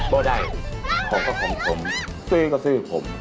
บ่ได้ของก็ของผมซื้อก็ซื้อผม